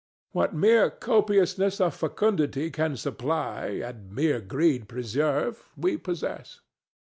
What mere copiousness of fecundity can supply and mere greed preserve, we possess.